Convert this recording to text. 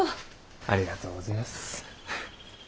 ありがとうごぜえやす。